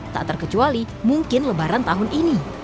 tak terkecuali mungkin lebaran tahun ini